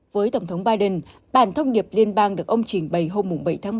với tổng thống biden bản thông điệp liên bang được ông trình bày hôm bảy ba